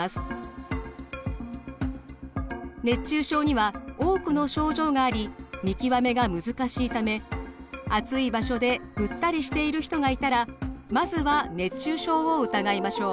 熱中症には多くの症状があり見極めが難しいため暑い場所でぐったりしている人がいたらまずは熱中症を疑いましょう。